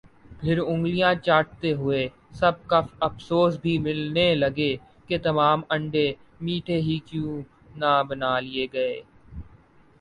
پھر انگلیاں چاٹتے ہوئے سب کف افسوس بھی ملنے لگے کہ تمام انڈے میٹھے ہی کیوں نہ بنا لئے گئے